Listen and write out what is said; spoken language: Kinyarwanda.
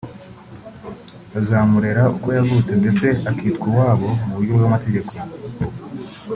bazamurera uko yavutse ndetse akitwa uwabo mu buryo bw’amategeko